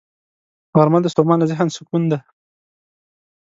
غرمه د ستومانه ذهن سکون دی